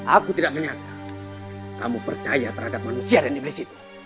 aku tidak menyatakan kamu percaya terhadap manusia dan iblis itu